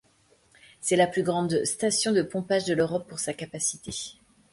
C'est la plus grande station de pompage de l'Europe pour sa capacité.